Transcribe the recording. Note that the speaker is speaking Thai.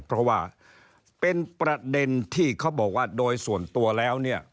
เพราะว่าเป็นประเด็นที่เขาบอกว่าโดยส่วนตัวแล้วเนี่ย